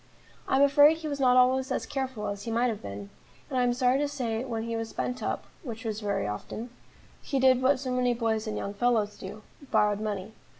I am afraid he was not always as careful as he might have been, and I am sorry to say when he was spent up which was very often he did what so many boys and young fellows do, borrowed money.